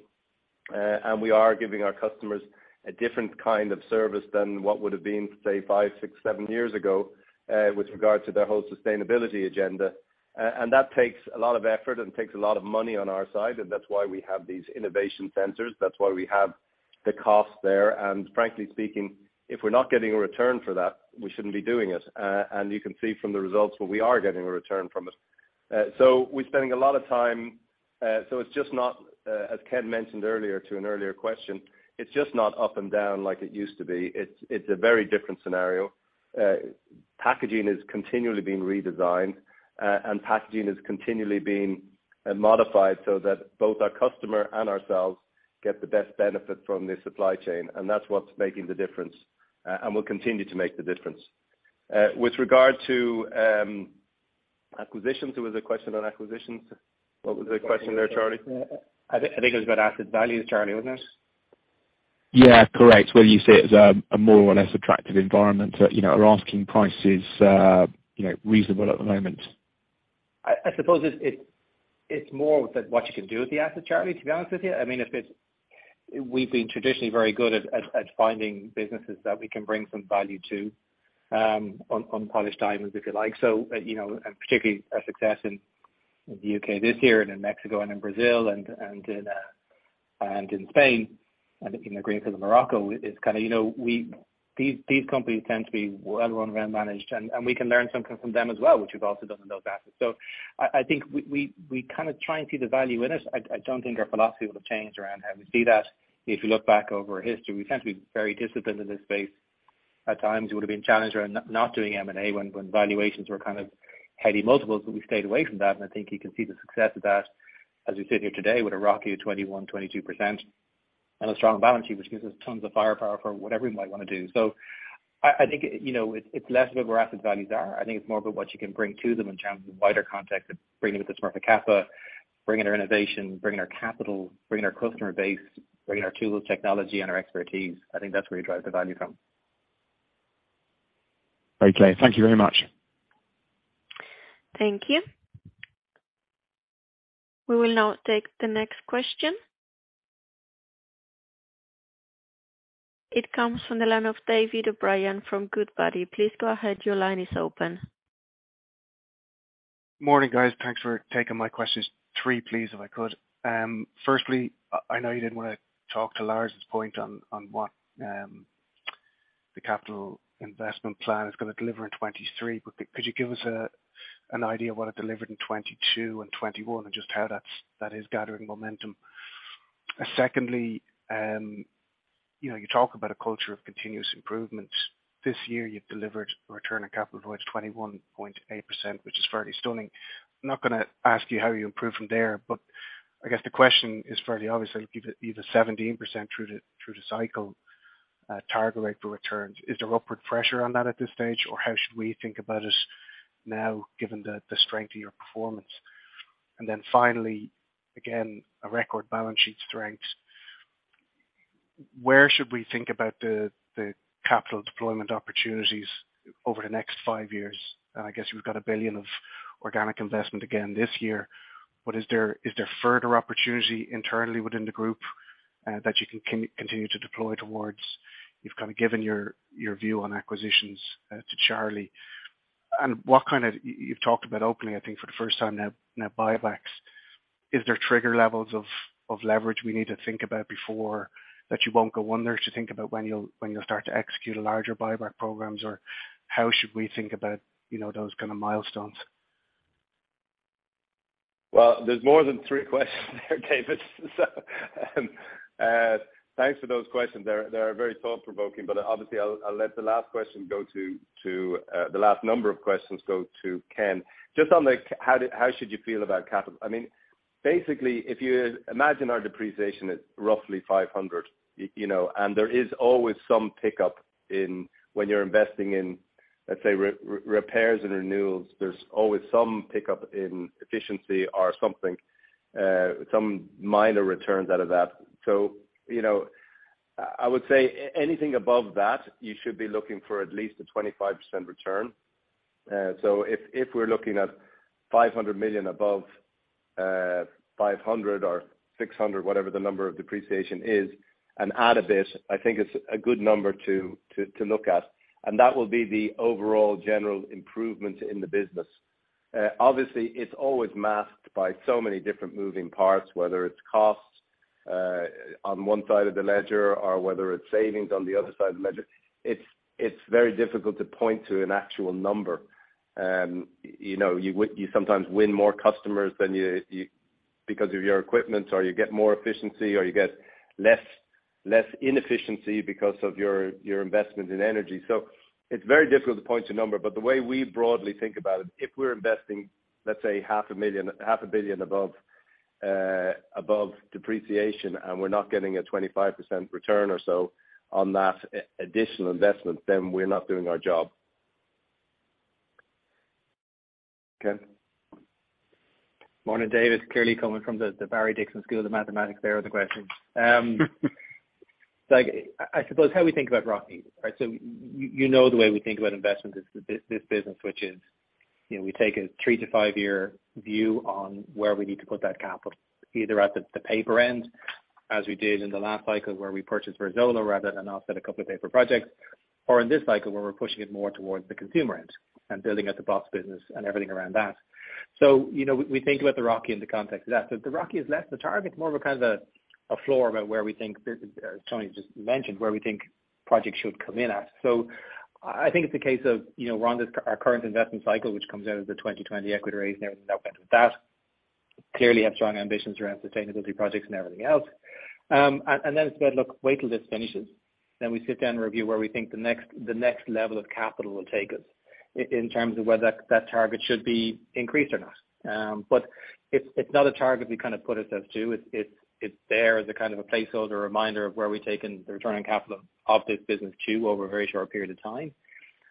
We are giving our customers a different kind of service than what would've been, say, 5, 6, 7 years ago with regard to their whole sustainability agenda. That takes a lot of effort and takes a lot of money on our side, and that's why we have these innovation centers. That's why we have the cost there. Frankly speaking, if we're not getting a return for that, we shouldn't be doing it. You can see from the results that we are getting a return from it. We're spending a lot of time. It's just not, as Ken mentioned earlier to an earlier question, it's just not up and down like it used to be. It's a very different scenario. Packaging is continually being redesigned, and packaging is continually being modified so that both our customer and ourselves get the best benefit from this supply chain, and that's what's making the difference, and will continue to make the difference. With regard to acquisitions, there was a question on acquisitions. What was the question there, Charlie?
I think it was about asset value, Charlie, wasn't it?
Yeah, correct. Whether you see it as a more or less attractive environment, you know, are asking prices, you know, reasonable at the moment?
I suppose it's more that what you can do with the asset, Charlie, to be honest with you. I mean, we've been traditionally very good at finding businesses that we can bring some value to, on polished diamonds, if you like. You know, and particularly our success in the U.K. this year and in Mexico and in Brazil and in Spain, and in Greenfield, Morocco is kind of, you know, these companies tend to be well run, well managed, and we can learn some from them as well, which we have also done with those assets. I think we kind of try and see the value in it. I don't think our philosophy will have changed around how we see that. If you look back over history, we tend to be very disciplined in this space. At times we would've been challenged around not doing M&A when valuations were kind of heady multiples, but we stayed away from that, and I think you can see the success of that as we sit here today with a ROCE of 21%-22% and a strong balance sheet, which gives us tons of firepower for whatever we might wanna do. I think, you know, it's less about where asset values are. I think it's more about what you can bring to them in terms of the wider context of bringing the Smurfit Kappa, bringing our innovation, bringing our capital, bringing our customer base, bringing our tools, technology, and our expertise. I think that is where you drive the value from.
Okay. Thank you very much.
Thank you. We will now take the next question. It comes from the line of David O'Brien from Goodbody. Please go ahead. Your line is open.
Morning, guys. Thanks for taking my questions. Three, please, if I could. Firstly, I know you didn't wanna talk to Lars' point on what the capital investment plan is gonna deliver in 2023, could you give us an idea of what it delivered in 2022 and 2021 and just how that is gathering momentum? Secondly, you know, you talk about a culture of continuous improvement. This year you've delivered a return on capital of 21.8%, which is fairly stunning. I'm not gonna ask you how you improve from there, I guess the question is fairly obvious. You've a 17% through the cycle target rate for returns. Is there upward pressure on that at this stage, or how should we think about it now given the strength of your performance? Finally, again, a record balance sheet strength. Where should we think about the capital deployment opportunities over the next 5 years? I guess you've got 1 billion of organic investment again this year. Is there further opportunity internally within the group that you can continue to deploy towards? You've kind of given your view on acquisitions to Charlie. You've talked about openly, I think, for the first time now, net buybacks. Is there trigger levels of leverage we need to think about before that you won't go under, to think about when you'll start to execute larger buyback programs, or how should we think about, you know, those kind of milestones?
There is more than three questions there, David. Thanks for those questions. They are very thought-provoking, but obviously I'll let the last question go to the last number of questions go to Ken. Just on how did, how should you feel about capital? I mean, basically, if you imagine our depreciation at roughly 500, you know, and there is always some pickup in when you're investing in, let's say, repairs and renewals, there is always some pickup in efficiency or something, some minor returns out of that. You know, I would say anything above that, you should be looking for at least a 25% return. If we are looking at 500 million above, 500 million or 600 million, whatever the number of depreciation is, and add a bit, I think it's a good number to look at. That will be the overall general improvement in the business. Obviously, it's always masked by so many different moving parts, whether it's costs on one side of the ledger or whether it's savings on the other side of the ledger. It's very difficult to point to an actual number. you know, you sometimes win more customers than you because of your equipment, or you get more efficiency or you get less inefficiency because of your investment in energy. It's very difficult to point to a number, but the way we broadly think about it, if we're investing, let's say half a million, half a billion above depreciation, and we're not getting a 25% return or so on that additional investment, then we are not doing our job. Ken?
Morning, David. Clearly coming from the Barry Dixon School of Mathematics there are the questions. Like, I suppose how we think about ROCE, right? You know, the way we think about investment is this business, which is, you know, we take a 3 to 5 year view on where we need to put that capital, either at the paper end, as we did in the last cycle where we purchased Verzuolo rather than offset 2 paper projects, or in this cycle where we're pushing it more towards the consumer end and building out the box business and everything around that. You know, we think about the ROCE in the context of that. The ROCE is less the target, more of a kind of a floor about where we think, as Tony just mentioned, where we think projects should come in at. I think it's a case of, you know, we are on this, our current investment cycle, which comes out of the 2020 equity raise and everything that went with that. Clearly have strong ambitions around sustainability projects and everything else. And then it's about, look, wait till this finishes, then we sit down and review where we think the next level of capital will take us in terms of whether that target should be increased or not. It's not a target we kind of put ourselves to. It's there as a kind of a placeholder, a reminder of where we've taken the return on capital of this business to over a very short period of time.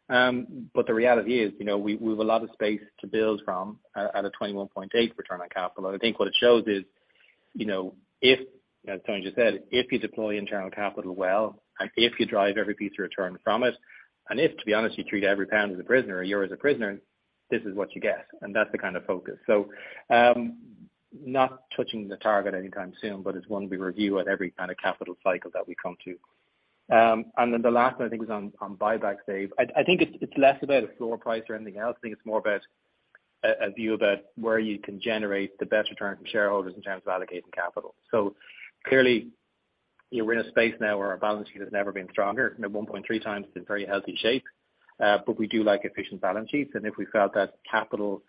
The reality is, you know, we've a lot of space to build at a 21.8 return on capital. I think what it shows is, you know, if, as Tony just said, if you deploy internal capital well, and if you drive every piece of return from it, and if, to be honest, you treat every pound as a prisoner or euro as a prisoner, this is what you get, and that's the kind of focus. So not touching the target anytime soon, but it's one we review at every kind of capital cycle that we come to. The last one I think was on buybacks, Dave. I think it's less about a floor price or anything else. I think it's more about a view about where you can generate the best return for shareholders in terms of allocating capital. Clearly, you know, we are in a space now where our balance sheet has never been stronger, and at 1.3 times it's in very healthy shape. We do like efficient balance sheets, and if we felt that capital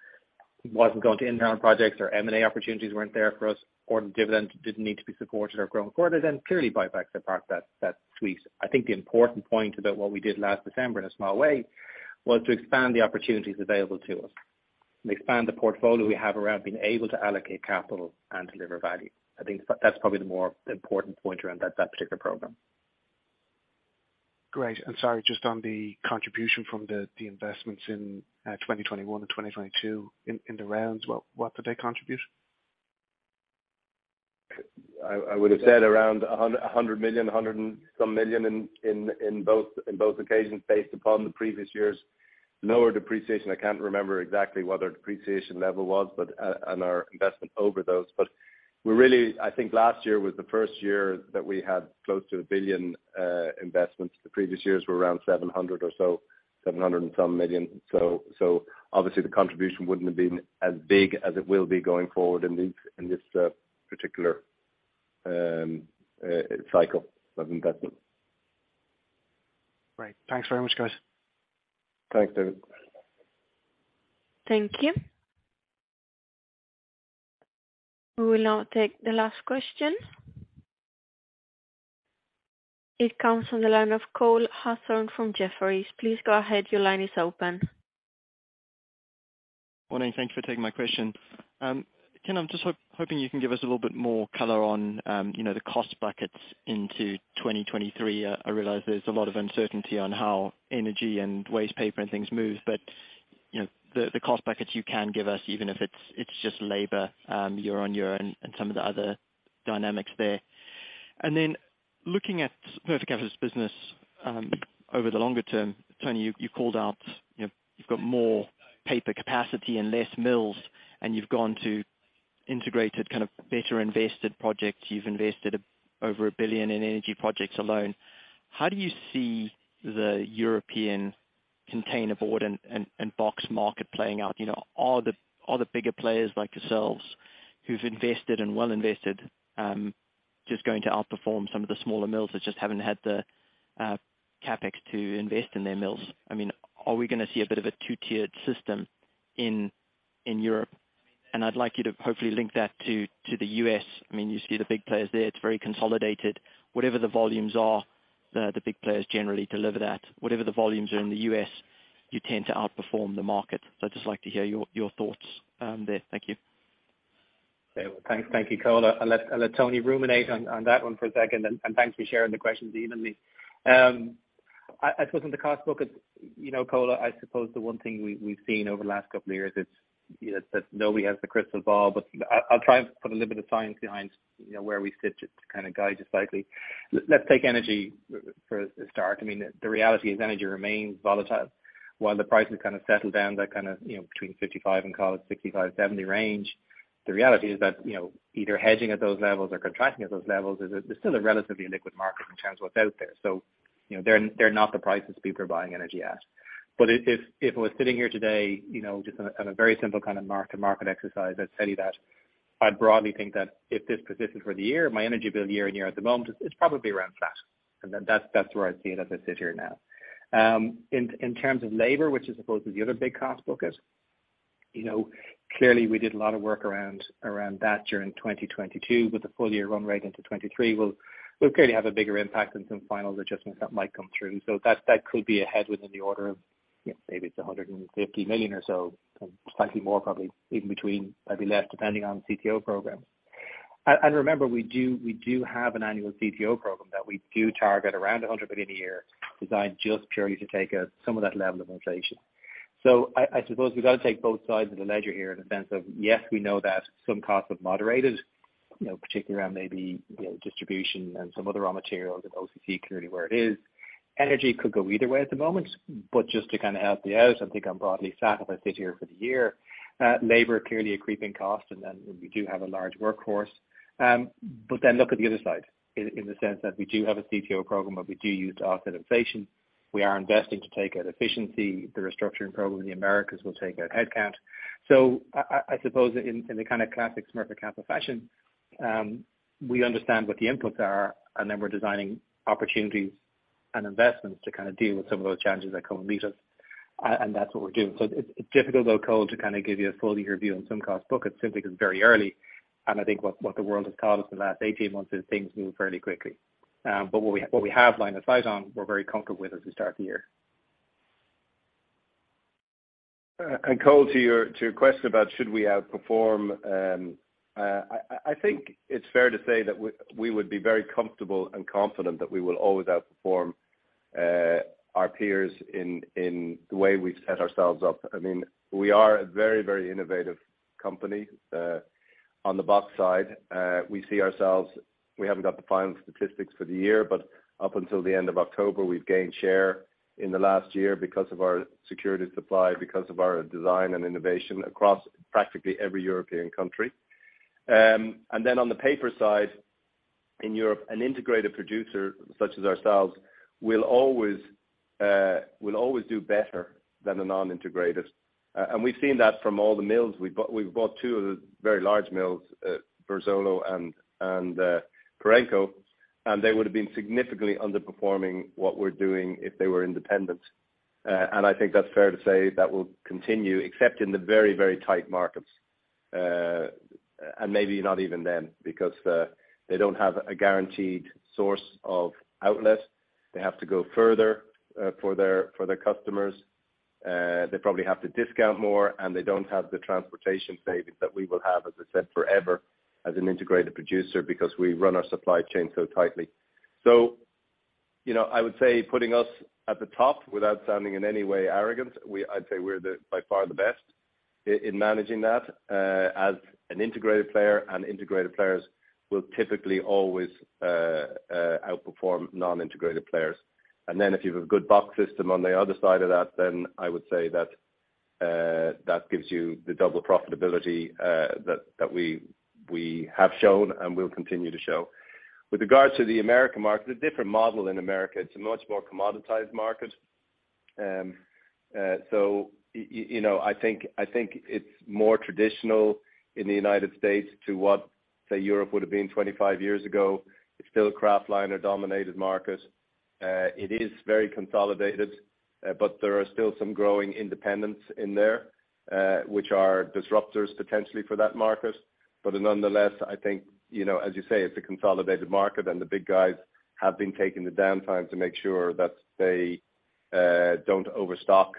wasn't going to internal projects or M&A opportunities weren't there for us, or the dividend didn't need to be supported or grown quarter, then clearly buybacks are part that suite. The important point about what we did last December in a small way was to expand the opportunities available to us and expand the portfolio we have around being able to allocate capital and deliver value. I think that's probably the more important point around that particular program.
Great. Sorry, just on the contribution from the investments in 2021 and 2022 in the rounds, what did they contribute?
I would have said around 100 million, 100 and some million in both occasions, based upon the previous year's lower depreciation. I can't remember exactly what their depreciation level was, and our investment over those. I think last year was the first year that we had close to 1 billion investments. The previous years were around 700 or so, 700 and some million. Obviously the contribution wouldn't have been as big as it will be going forward in this particular cycle of investment.
Great. Thanks very much, guys.
Thanks, David.
Thank you. We will now take the last question. It comes from the line of Cole Hathorn from Jefferies. Please go ahead. Your line is open.
Morning. Thank you for taking my question. Ken, I'm just hoping you can give us a little bit more color on, you know, the cost buckets into 2023. I realize there's a lot of uncertainty on how energy and waste paper and things move, but, you know, the cost buckets you can give us, even if it's just labor, year on year and some of the other dynamics there. Then looking at Smurfit Kappa's business, over the longer term, Tony, you called out, you know, you've got more paper capacity and less mills, and you have gone to integrated kind of better invested projects. You've invested over 1 billion in energy projects alone. How do you see the European containerboard and box market playing out? You know, all the, all the bigger players like yourselves who've invested and well invested, just going to outperform some of the smaller mills that just haven't had the CapEx to invest in their mills? I mean, are we gonna see a bit of a two-tiered system in Europe? I'd like you to hopefully link that to the U.S. I mean, you see the big players there, it's very consolidated. Whatever the volumes are, the big players generally deliver that. Whatever the volumes are in the U.S., you tend to outperform the market. I'd just like to hear your thoughts, there. Thank you.
Okay. Well, thanks. Thank you, Cole. I'll let, I'll let Tony ruminate on that one for a second and thanks for sharing the questions evenly. I suppose in the cost book, you know, Cole, I suppose the one thing we've seen over the last couple of years is that nobody has a crystal ball, but I'll try and put a little bit of science behind, you know, where we sit to kind of guide you slightly. Let's take energy for a start. I mean, the reality is energy remains volatile. While the prices kind of settle down, that kind of, you know, between 55 and call it 65, 70 range, the reality is that, you know, either hedging at those levels or contracting at those levels is still a relatively liquid market in terms of what's out there. You know, they are not the prices people are buying energy at. If, if I was sitting here today, you know, just on a, on a very simple kind of mark-to-market exercise, I'd tell you that I broadly think that if this persisted for the year, my energy bill year and year at the moment, it's probably around flat. That, that's where I see it as I sit here now. In, in terms of labor, which I suppose is the other big cost book is, you know, clearly we did a lot of work around that during 2022 with the full year run rate into 2023. We'll, we'll clearly have a bigger impact and some final adjustments that might come through. That could be a head within the order of, you know, maybe it's 150 million or so, slightly more probably even between maybe less, depending on CPO program. Remember, we do have an annual CPO program that we do target around 100 million a year designed just purely to take out some of that level of inflation. I suppose we have got to take both sides of the ledger here in the sense of, yes, we know that some costs have moderated, you know, particularly around maybe, you know, distribution and some other raw materials and OCC clearly where it is. Energy could go either way at the moment, but just to kind of help you out, I think I'm broadly flat if I sit here for the year. Labor clearly a creeping cost. We do have a large workforce. Look at the other side in the sense that we do have a CPO program, and we do use it to offset inflation. We are investing to take out efficiency. The restructuring program in the Americas will take out headcount. So I suppose in the kind of classic Smurfit Kappa fashion, we understand what the inputs are. We are designing opportunities and investments to kind of deal with some of those challenges that come and meet us. That's what we're doing. It's difficult though, Cole, to kind of give you a full year view on some cost book. It's simply because very early, and I think what the world has taught us in the last 18 months is things move fairly quickly. What we, what we have line of sight on, we're very comfortable with as we start the year.
Cole, to your question about should we outperform, I think it's fair to say that we would be very comfortable and confident that we will always outperform our peers in the way we've set ourselves up. I mean, we are a very, very innovative company. On the box side, we see ourselves, we haven't got the final statistics for the year, but up until the end of October, we've gained share in the last year because of our security supply, because of our design and innovation across practically every European country. Then on the paper side, in Europe, an integrated producer such as ourselves will always do better than a non-integrative. We've seen that from all the mills. We have bought two of the very large mills, Verzuolo and Reparenco, and they would have been significantly underperforming what we're doing if they were independent. I think that's fair to say that will continue except in the very, very tight markets. Maybe not even then because they don't have a guaranteed source of outlet. They have to go further for their customers. They probably have to discount more, and they don't have the transportation savings that we will have, as I said, forever as an integrated producer because we run our supply chain so tightly. You know, I would say putting us at the top without sounding in any way arrogant, I'd say we are the by far the best in managing that as an integrated player, and integrated players will typically always outperform non-integrated players. If you have a good box system on the other side of that, then I would say that gives you the double profitability that we have shown and will continue to show. With regards to the American market, it's a different model in America. It's a much more commoditized market. You know, I think it's more traditional in the United States to what, say, Europe would have been 25 years ago. It's still a kraftliner dominated market. It is very consolidated, but there are still some growing independents in there, which are disruptors potentially for that market. Nonetheless, I think, you know, as you say, it's a consolidated market and the big guys have been taking the downtime to make sure that they don't overstock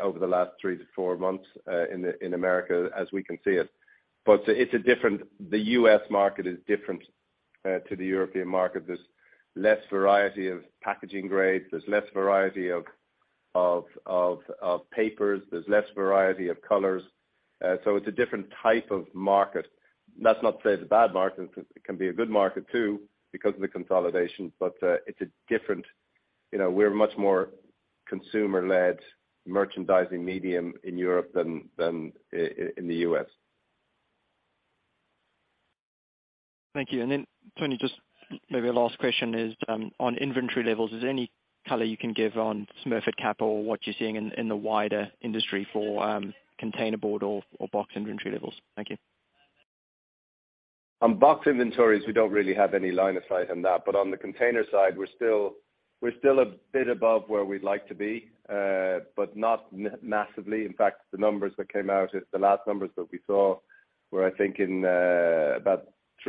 over the last 3-4 months in America as we can see it. The U.S. market is different to the European market. There's less variety of packaging grades. There's less variety of papers. There's less variety of colors. So it's a different type of market. That's not to say it's a bad market. It can be a good market too, because of the consolidation, but it's a different... You know, we are much more consumer-led merchandising medium in Europe than in the U.S.
Thank you. Tony, just maybe a last question is, on inventory levels. Is there any color you can give on Smurfit Kappa, or what you're seeing in the wider industry for, containerboard or box inventory levels? Thank you.
On box inventories, we don't really have any line of sight on that, but on the container side, we're still a bit above where we'd like to be, but not massively. In fact, the numbers that came out, the last numbers that we saw were, I think in 3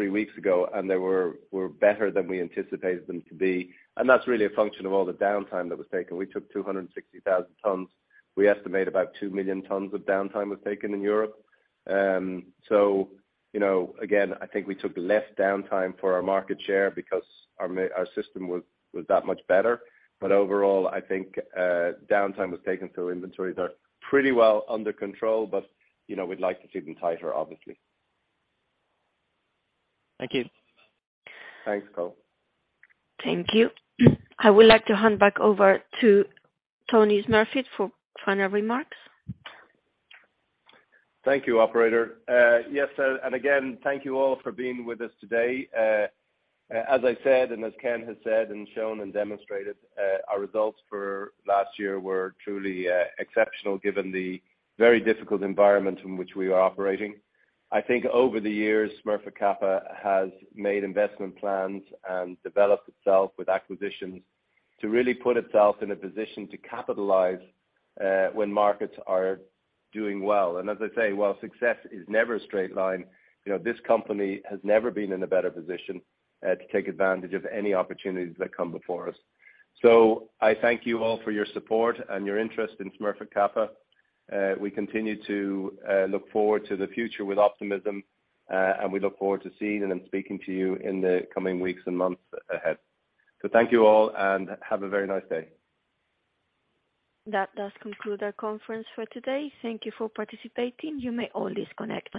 weeks ago, and they were better than we anticipated them to be, and that's really a function of all the downtime that was taken. We took 260,000 tons. We estimate about 2 million tons of downtime was taken in Europe. You know, again, I think we took less downtime for our market share because our system was that much better. But overall, I think downtime was taken, so inventories are pretty well under control, but, you know, we'd like to see them tighter, obviously.
Thank you.
Thanks, Cole.
Thank you. I would like to hand back over to Tony Smurfit for final remarks.
Thank you, operator. Yes, again, thank you all for being with us today. As I said, and as Ken has said and shown and demonstrated, our results for last year were truly exceptional given the very difficult environment in which we were operating. I think over the years, Smurfit Kappa has made investment plans and developed itself with acquisitions to really put itself in a position to capitalize when markets are doing well. As I say, while success is never a straight line, you know, this company has never been in a better position to take advantage of any opportunities that come before us. So I thank you all for your support and your interest in Smurfit Kappa. We continue to look forward to the future with optimism, and we look forward to seeing and then speaking to you in the coming weeks and months ahead. Thank you all, and have a very nice day.
That does conclude our conference for today. Thank you for participating. You may all disconnect.